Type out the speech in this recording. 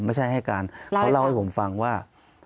ให้การเขาเล่าให้ผมฟังว่า